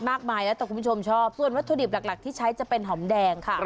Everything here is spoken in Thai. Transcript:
มากมายแล้วแต่คุณผู้ชมชอบส่วนวัตถุดิบหลักที่ใช้จะเป็นหอมแดงค่ะ